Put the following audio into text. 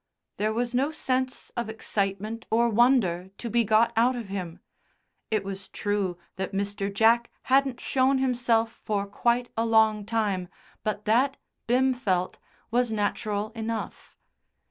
There was no sense of excitement or wonder to be got out of him. It was true that Mr. Jack hadn't shown himself for quite a long time, but that, Bim felt, was natural enough.